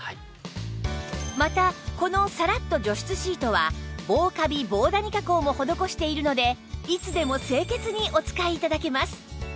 またこのサラッと除湿シートは防カビ防ダニ加工も施しているのでいつでも清潔にお使い頂けます